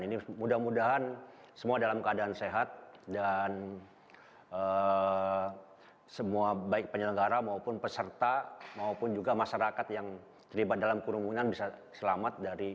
ini mudah mudahan semua dalam keadaan sehat dan semua baik penyelenggara maupun peserta maupun juga masyarakat yang terlibat dalam kerumunan bisa selamat dari